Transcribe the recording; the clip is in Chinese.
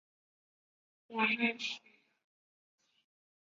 氧化石墨可以通过用强氧化剂来处理石墨来制备。